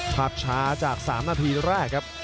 ภาพช้าจาก๓นาทีแรกครับ